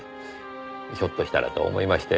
ひょっとしたらと思いまして。